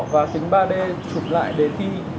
và tính ba d chụp lại để thi